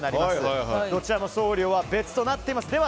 どちらも送料は別となっています。